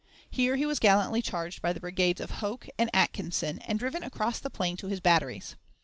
Here he was gallantly charged by the brigades of Hoke and Atkinson, and driven across the plain to his batteries.